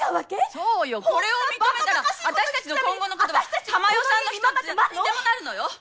そうよこれを認めたら私たちの今後のことは珠世さんの気持ちひとつでどうにでもなるのよ。